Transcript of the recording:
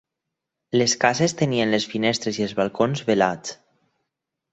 Les cases tenien les finestres i els balcons velats